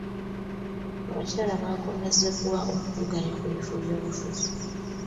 Abakyala bakomezebwa okuvuganya ku bifo by'obufuzi.